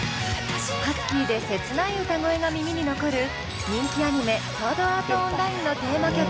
ハスキーで切ない歌声が耳に残る人気アニメ「ソードアート・オンライン」のテーマ曲「ＡＮＩＭＡ」。